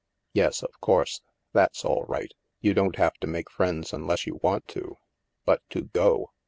" Yes, of course. That's all right. You don't have to make friends unless you want to. But to go